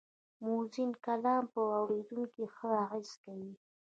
موزون کلام پر اورېدونکي ښه اغېز کوي